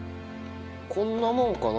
こんなもんかな？